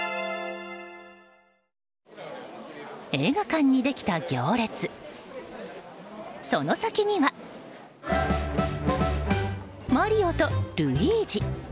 映画館にできた行列その先には、マリオとルイージ！